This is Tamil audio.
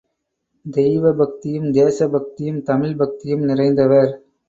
தெய்வபக்தியும், தேசபக்தியும் தமிழ்ப் பக்தியும் நிறைந்தவர்.